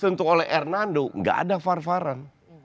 dihuntung oleh hernando enggak ada var varan